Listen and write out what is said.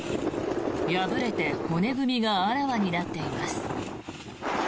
破れて骨組みがあらわになっています。